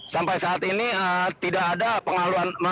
sampai saat ini tidak ada pengalihan arus